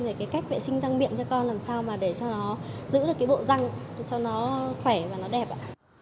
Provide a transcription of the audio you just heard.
về cái cách vệ sinh răng miệng cho con làm sao mà để cho nó giữ được cái hộ răng cho nó khỏe và nó đẹp ạ